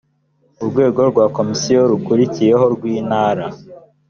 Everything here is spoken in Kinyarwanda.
urwego rwa komisiyo rukurikiyeho rw intara